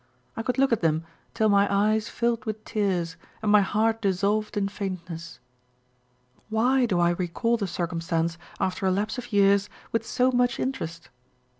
I could look at them till my eyes filled with tears, and my heart dissolved in faint . Why do I recall the circumstance after a lapse of years with so much interest